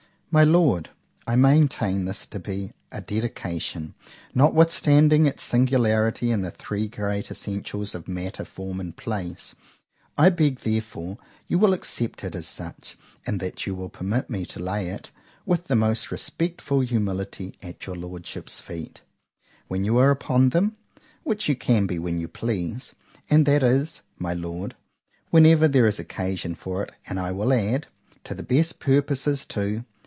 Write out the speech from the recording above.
"My Lord, I MAINTAIN this to be a dedication, notwithstanding its singularity in the three great essentials of matter, form and place: I beg, therefore, you will accept it as such, and that you will permit me to lay it, with the most respectful humility, at your Lordship's feet—when you are upon them,—which you can be when you please;—and that is, my Lord, whenever there is occasion for it, and I will add, to the best purposes too.